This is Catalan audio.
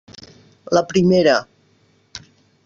La primera.